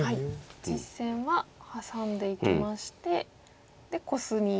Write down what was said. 実戦はハサんでいきましてでコスミ。